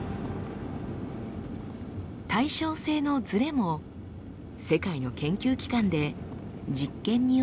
「対称性のズレ」も世界の研究機関で実験によって確かめられつつあります。